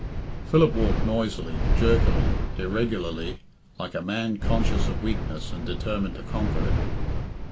Philip walked noisily, jerkily, irregularly, like a man conscious of weakness and determined to conquer it.